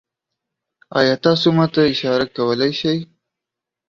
ایا تاسو ما ته اشاره کولی شئ؟